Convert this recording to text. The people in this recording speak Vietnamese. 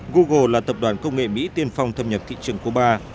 google là tập đoàn công nghệ mỹ tiên phong thâm nhập thị trường cuba